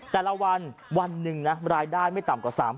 แต่ละวันวันหนึ่งนะรายได้ไม่ต่ำกว่า๓๐๐